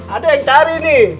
ada yang cari nih